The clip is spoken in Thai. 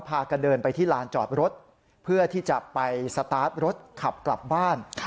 พากันเดินไปที่ลานจอดรถเพื่อที่จะไปสตาร์ทรถขับกลับบ้าน